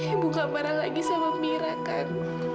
ibu gak marah lagi sama amira kan